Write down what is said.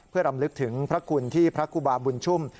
เพื่อรำลึกถึงพระคุณที่พระครูบาบุญชุ่ม